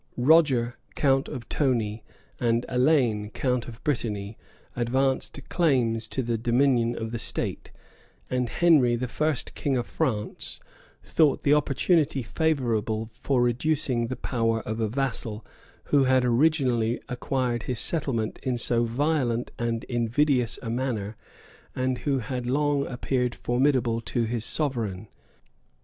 [] Roger, count of Toni, and Alain, count of Brittany, advanced claims to the dominion of the state; and Henry the First king of France, thought the opportunity favorable for reducing the power of a vassal, who had originally acquired his settlement in so violent and invidious a manner, and who had long appeared formidable to his sovereign.